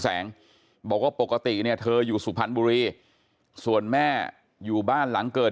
แสงบอกว่าปกติเนี่ยเธออยู่สุพรรณบุรีส่วนแม่อยู่บ้านหลังเกิด